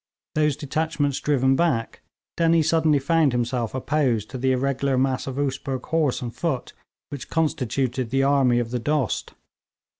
Those detachments driven back, Dennie suddenly found himself opposed to the irregular mass of Oosbeg horse and foot which constituted the army of the Dost.